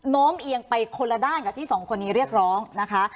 โน้มเอียงไปคนละด้านกับที่สองคนนี้เรียกร้องนะคะ